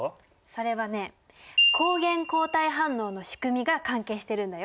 それはね抗原抗体反応のしくみが関係してるんだよ。